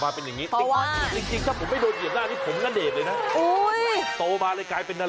คราวก่อนปีนต้นอะไรนะต้นเสานี้